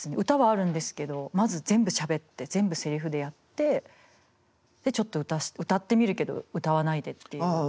歌はあるんですけどまず全部しゃべって全部せりふでやってでちょっと歌ってみるけど歌わないでっていう。